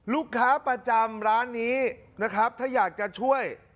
ลูกค้าประจำร้านนี้นะครับถ้าอยากจะช่วย